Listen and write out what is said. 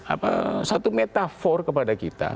apa satu metafor kepada kita